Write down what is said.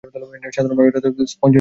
সাধারণভাবে এরা স্পঞ্জ নামে পরিচিত।